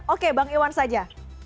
oke bang iwan saja